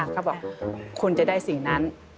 เขาบอกคุณจะได้สิ่งนั้น